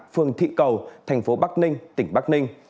phường thị cầu thành phố bắc ninh tỉnh bắc ninh